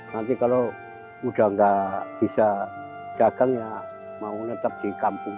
nanti kalau udah nggak bisa dagang ya mau netep di kampung